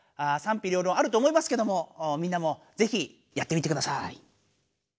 さんぴりょうろんあると思いますけどもみんなもぜひやってみてください。